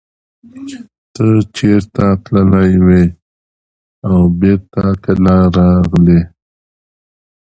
The show was canceled after one season.